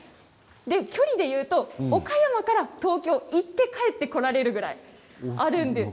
距離で言うと岡山から東京を行って帰ってこられるぐらいあるんです。